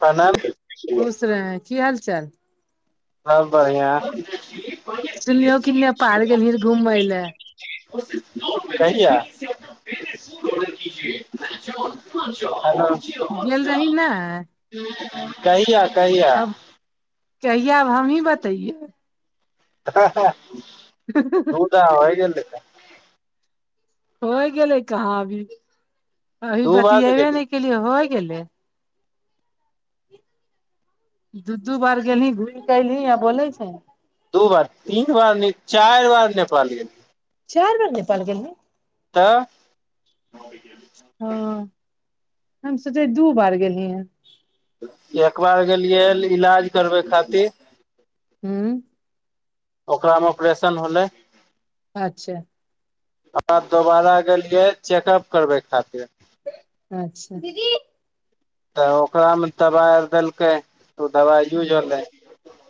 प्रणाम खुश रहे की हाल चाल सब बढ़ियाँ। सुनलियौ की नेपाल गेलहि रहे घुमय ले। कहिया [inaudible] हेलो [inaudible] गेल रहि नय कहिया कहिया कहिया आब हमहीं बतैयौ [unintelligible] [inaudible] ता होइ गेलै ता होइ गेलै कहाँ अभी अभी दू बार ने बतिएबे गेली नय केलियै होइ गेलै। दू दू बार गेलहीं घुइर कऽ अयलहीं आ बोलै छहीं। दू बार तीन बार नय चारि बार नेपाल गेलियै चारि बेर नेपाल गेलहीं तऽ [inaudible] ओ हम सोचै दू बार गेलहीं हन एक बार गेलियै इलाज करबै खातिर हुँ ओकरा मे ऑपरेशन होलै अच्छा आ [unintelligible] दोबारा गेलियै चेकअप करबै खातिर अच्छा [inaudible] तऽ ओकरामे तबाइ आओर देलकै तऽ उ दबाइ यूज होलै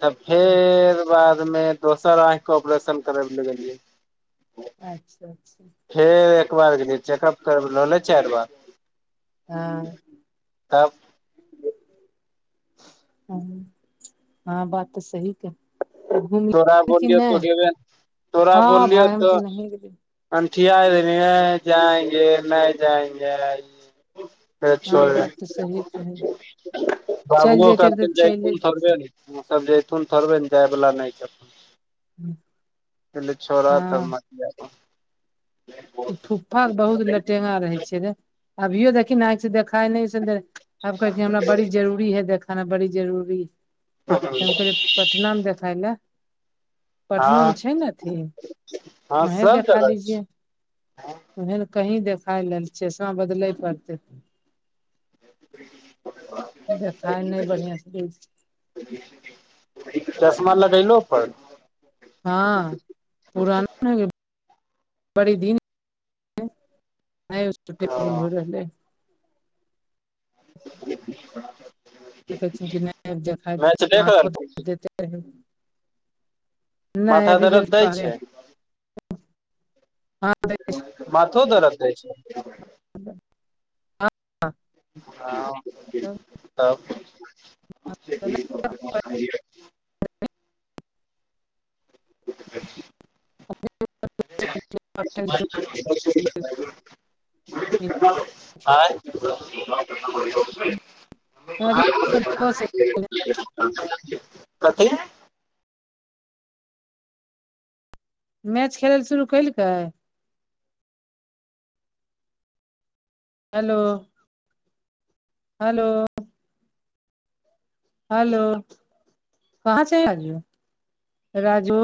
तऽ फेर बाद मे दोसर आंखिके ऑपरेशन करैब लगलियै अच्छा अच्छा फेर एक बार गेलियै चेकअप करबैले होलै चारि बार हँ तब हँ बात तऽ सही कहलियै तोरा बोललियौ तोे गेबे नय तोरा हँ बोललियौ भाय हम तऽ नहिये गेलियै अनठियाय देलहीं ऐं जाएंगे नय जाएंगे। फेर हँ बात तऽ सही कहलही। बाबूओ कहलखीन जाइ फोन करबै नय ओसभ जैथुन थोड़बे ने जाय बला नय छै। कहलियै छोड़ तब हँ मत जा। ई फुप्फा के लटेरा रहै छियै रे अभियो देखही नय आँखि से देखाय नय सन दे। अब कहै की हमरा बड़ी जरूरी है देखाना बड़ी जरूरी तऽ हम कहलियै पटनामे देखाय ले। पटनो मे हँ छै ने अथी हँ वहीं सब देखा जगह छै लीजिए। ओहि न कहीं देखाय लेल छै चश्मा बदलैल पड़तै। देखाय नय बढ़ियाँ से दै छै। चश्मा लगैलो पर हँ पुराना बड़ी दिन हँ हो रहलै [unintelligible] [inaudible] कहैन नहि मैच देख रहल देखाथो छी देे रहै [unintelligible] नै माथा अभी दर्द गेल दै छै बाहरे हँ [unintelligible] माथो दरद दै छै हँ हँ सब [unintelligible] [inaudible] [inaudible] आँ। कतऽ गेल छी [unintelligible] कथि मैच खेलैल शुरू कैलकै। Hello hello. हेलो कहाँ छै राजू राजू